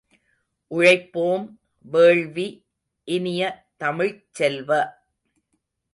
உழைப்பாம் வேள்வி இனிய தமிழ்ச் செல்வ!